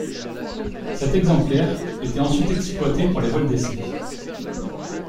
Cet exemplaire était ensuite exploité pour les vols d'essai.